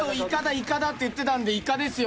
「イカだ」って言ってたんでイカですよ